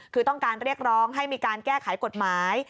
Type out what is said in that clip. คือต้องการเรียกร้องให้มีการแก้ไขกฎหมาย